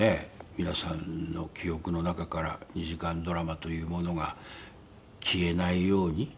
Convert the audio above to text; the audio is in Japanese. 皆さんの記憶の中から２時間ドラマというものが消えないように。